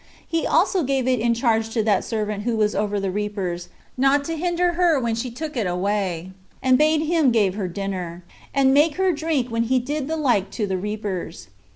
He also gave it in charge to that servant who was over the reapers, not to hinder her when she took it away, and bade him give her her dinner, and make her drink when he did the like to the reapers.